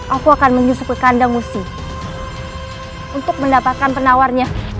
aku akan menyusuk ke kandang usi untuk mendapatkan penawarnya